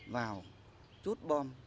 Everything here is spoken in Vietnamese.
vào chút bom